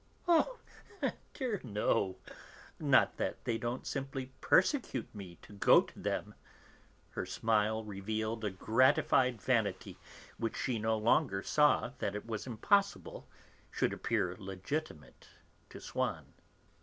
"Oh dear, no! Not that they don't simply persecute me to go to them," her smile revealed a gratified vanity which she no longer saw that it was impossible should appear legitimate to Swann.